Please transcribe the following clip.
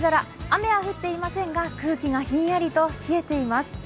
雨は降っていませんが空気がひんやりと冷えています。